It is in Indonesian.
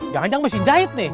jangan jangan mesin jahit nih